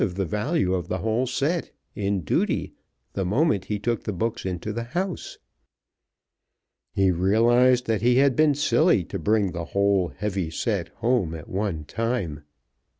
of the value of the whole set, in duty, the moment he took the books into the house. He realized that he had been silly to bring the whole heavy set home at one time.